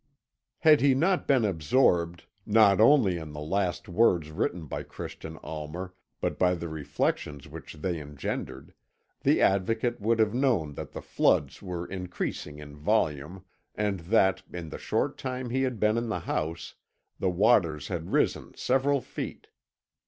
Had he not been absorbed, not only in the last words written by Christian Almer, but by the reflections which they engendered, the Advocate would have known that the floods were increasing in volume, and that, in the short time he had been in the house, the waters had risen several feet.